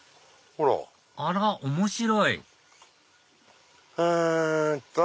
あら面白いえっと。